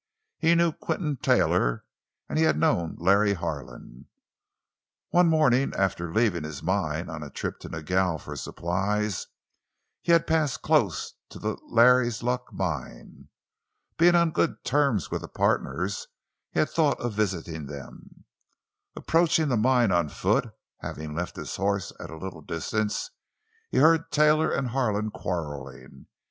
He knew Quinton Taylor, and he had known Larry Harlan. One morning after leaving his mine on a trip to Nogel for supplies, he had passed close to the "Larry's Luck" mine. Being on good terms with the partners, he had thought of visiting them. Approaching the mine on foot—having left his horse at a little distance—he heard Taylor and Harlan quarreling.